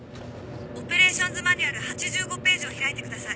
オペレーションズマニュアル８５ページを開いてください。